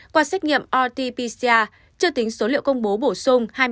qua xét nghiệm rt pcr chưa tính số liệu công bố bổ sung hai mươi tám ca